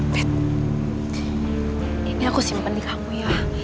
pit ini aku simpen di kamu ya